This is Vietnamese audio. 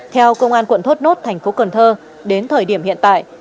theo công an quận thốt nốt thành phố cần thơ đến thời điểm hiện tại